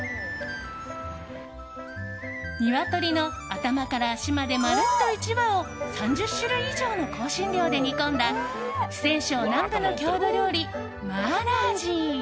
鶏の頭から足までまるっと１羽を３０種類以上の香辛料で煮込んだ四川省南部の郷土料理マーラージー。